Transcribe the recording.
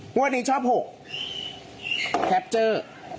งวดนี้ชอบ๖แฮปเจอร์